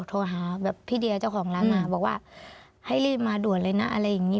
โทรหาแบบพี่เดียเจ้าของร้านมาบอกว่าให้รีบมาด่วนเลยนะอะไรอย่างนี้